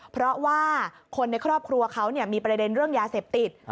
เพราะว่าคนในครอบครัวเขามีประเด็นเรื่องยาเสพติด